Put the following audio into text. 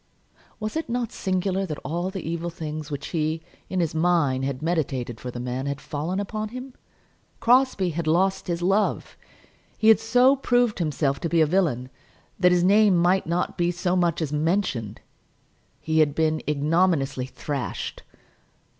Was it not singular that all the evil things which he, in his mind, had meditated for the man, had fallen upon him. Crosbie had lost his love! He had so proved himself to be a villain that his name might not be so much as mentioned! He had been ignominiously thrashed!